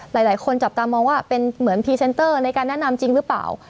หลายหลายคนจับตามมองว่าเป็นเหมือนในการแนะนำจริงหรือเปล่า